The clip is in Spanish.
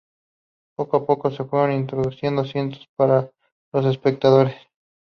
Poco a poco se fueron introduciendo asientos para los espectadores.